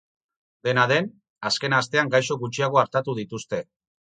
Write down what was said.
Dena den, azken astean gaixo gutxiago artatu dituzte.